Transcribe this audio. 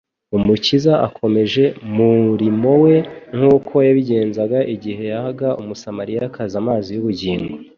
Umukiza akomeje muurimo we nk'uko yabigenzaga, igihe yahaga Umusamariyakazi amazi y'ubugingo.